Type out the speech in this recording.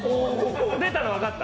出たの分かった？